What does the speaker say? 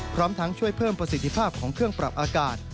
พร้อมทั้งช่วยเพิ่มประสิทธิภาพของเครื่องปรับอากาศ